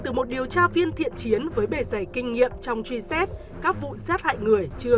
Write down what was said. từ một điều tra viên thiện chiến với bề dày kinh nghiệm trong truy xét các vụ sát hại người chưa